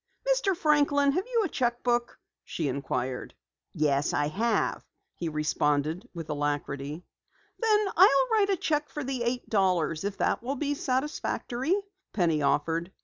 "Mr. Franklin, have you a cheque book?" she inquired. "Yes, I have," he responded with alacrity. "Then I'll write a cheque for the eight dollars if that will be satisfactory," Penny offered.